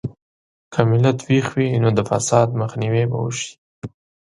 که ملت ویښ وي، نو د فساد مخنیوی به وشي.